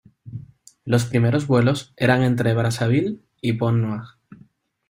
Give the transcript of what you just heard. Los primeros vuelos eran entre Brazzaville y Pointe Noire.